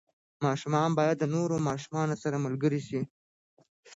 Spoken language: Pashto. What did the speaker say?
ماشوم باید د نورو ماشومانو سره ملګری شي.